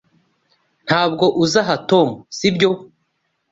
Ntabwo uzaha Tom, sibyo?